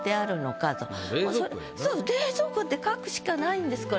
「冷蔵庫」って書くしかないんですこれ。